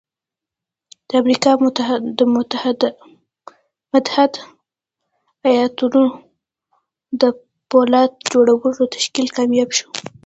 د امريکا د متحده ايالتونو د پولاد جوړولو تشکيل کامياب شو.